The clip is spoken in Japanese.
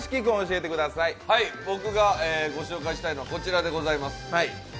僕がご紹介したいのは、こちらでございます。